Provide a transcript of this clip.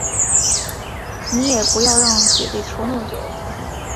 你也不要让姐姐求那么久